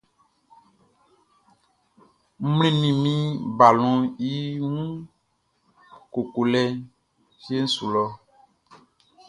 N mlinnin min balɔnʼn i wun koko lɛ fieʼn nun lɔ.